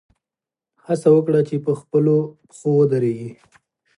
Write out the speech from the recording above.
هڅه وکړئ چې په خپلو پښو ودرېږئ.